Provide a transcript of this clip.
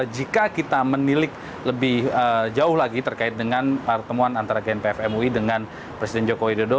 jika kita menilik lebih jauh lagi terkait dengan pertemuan antara gnpf mui dengan presiden joko widodo